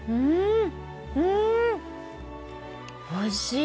おいしい。